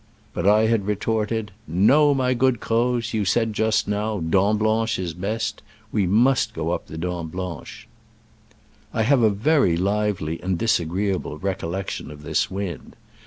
But I had retorted, " No, my good Croz, you said just now, ' Dent Blanche is best:* we must go up the Dent Blanche." I have a very lively and disagreeable recollection of this wind.